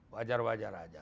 wajar wajar aja lah